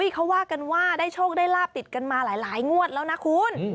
เขาว่ากันว่าได้โชคได้ลาบติดกันมาหลายงวดแล้วนะคุณ